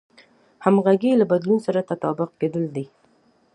همغږي له بدلون سره تطابق کېدل دي.